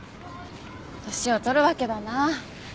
年を取るわけだな。